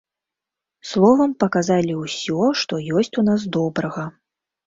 Словам, паказалі ўсё, што ёсць у нас добрага.